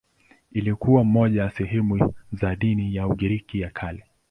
Ilikuwa moja ya sehemu za dini ya Ugiriki ya Kale.